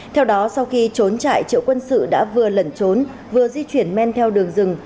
theo đó sau khi trốn trại triệu quân sự đã vừa lẩn trốn vừa di chuyển men theo đường rừng